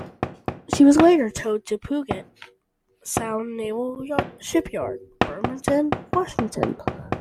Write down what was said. She was later towed to Puget Sound Naval Shipyard, Bremerton, Washington.